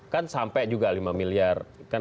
kan sampai juga lima miliar kan